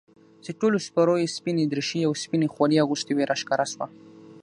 چې ټولو سپرو يې سپينې دريشۍ او سپينې خولۍ اغوستې وې راښکاره سوه.